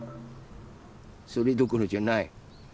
それどころじゃない。